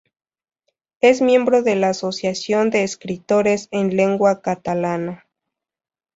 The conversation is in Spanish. Es miembro de la Asociación de Escritores en Lengua Catalana.